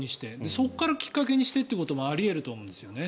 そこからきっかけにしてということもあり得ると思うんですよね。